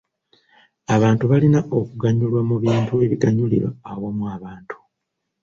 Abantu balina okuganyulwa mu bintu ebiganyulira awamu abantu.